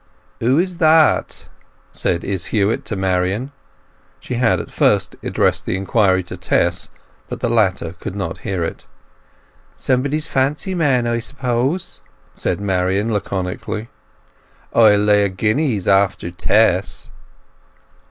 "Who is that?" said Izz Huett to Marian. She had at first addressed the inquiry to Tess, but the latter could not hear it. "Somebody's fancy man, I s'pose," said Marian laconically. "I'll lay a guinea he's after Tess."